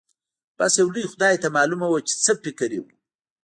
بس يو لوی خدای ته معلومه وه چې څه يې فکر و.